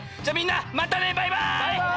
じゃあみんなまたねバイバイ！